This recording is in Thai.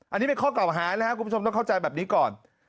อันนี้เป็นข้อเก่าหานะครับคุณผู้ชมต้องเข้าใจแบบนี้ก่อน